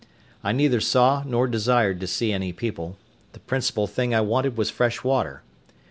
I neither saw, nor desired to see any people; the principal thing I wanted was fresh water.